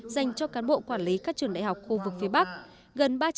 dành cho cán bộ quản lý các trường đại học khu vực phía bắc